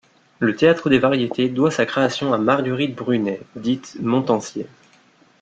Le théâtre des Variétés doit sa création à Marguerite Brunet, dite Montansier.